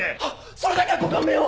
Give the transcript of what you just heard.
それだけはご勘弁を！